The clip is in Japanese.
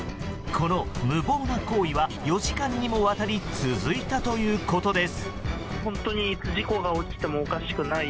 この無謀な行為は４時間にわたり続いたということです。